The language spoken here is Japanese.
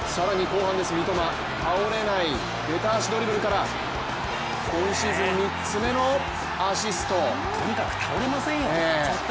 さらに後半です三笘、倒れないべた足ドリブルから今シーズン３つめのアシストを決めました。